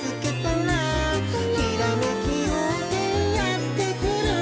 「ひらめきようせいやってくる」